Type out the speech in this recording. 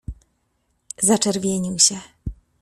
” Zaczerwienił się.